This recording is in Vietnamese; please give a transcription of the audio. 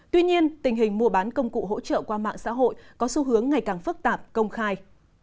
tuy nhiên tình hình mua bán công cụ hỗ trợ qua mạng xã hội có xu hướng ngày càng phức tạp công khai